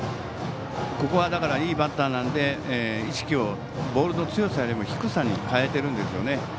ここはいいバッターなので意識をボールの強さよりも低さに変えているんですね。